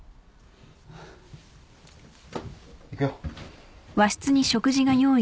行くよ。